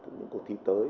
để từ những cuộc thi tới